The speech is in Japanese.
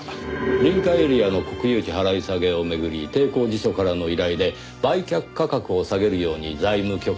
臨海エリアの国有地払い下げを巡り帝光地所からの依頼で売却価格を下げるように財務局へ口利き。